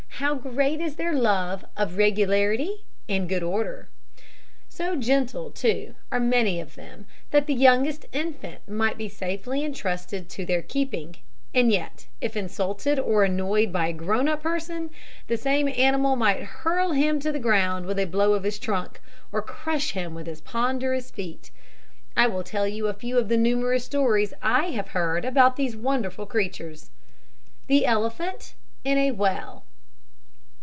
How great is their love of regularity and good order! So gentle, too, are many of them, that the youngest infant might be safely entrusted to their keeping; and yet, if insulted or annoyed by a grown up person, the same animal might hurl him to the ground with a blow of his trunk, or crush him with his ponderous feet. I will tell you a few of the numerous stories I have heard about these wonderful creatures. THE ELEPHANT IN A WELL.